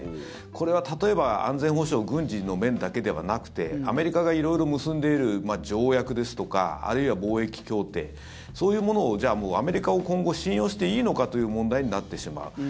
これは、例えば安全保障軍事の面だけではなくてアメリカが色々結んでいる条約ですとかあるいは貿易協定そういうものをアメリカを今後信用していいのかという問題になってしまう。